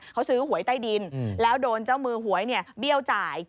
เขาซื้อหวยใต้ดินแล้วโดนเจ้ามือหวยเบี้ยวจ่าย